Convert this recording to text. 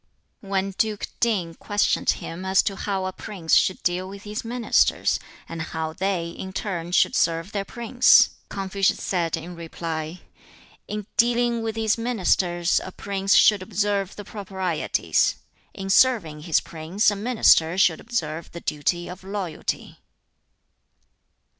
When Duke Ting questioned him as to how a prince should deal with his ministers, and how they in turn should serve their prince, Confucius said in reply, "In dealing with his ministers a prince should observe the proprieties; in serving his prince a minister should observe the duty of loyalty."